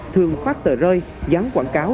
thường phát tờ rơi dán quảng cáo